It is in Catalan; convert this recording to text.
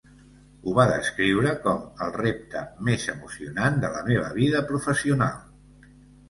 Ho va descriure com "el repte més emocionant de la meva vida professional".